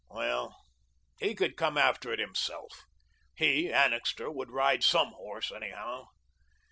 Well, he could come after it himself. He, Annixter, would ride SOME horse, anyhow.